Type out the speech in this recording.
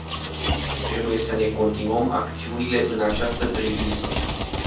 Trebuie să ne continuăm acțiunile în această privință.